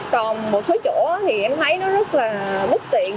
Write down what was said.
còn một số chỗ thì em thấy nó rất là bất tiện